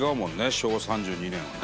昭和３２年はね。